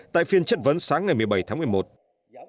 tại phiên chất vấn sáng ngày một mươi bảy tháng một mươi một